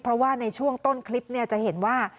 เพราะว่าในช่วงต้นคลิปจะเห็นว่า